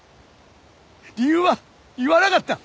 理由は言わなかった。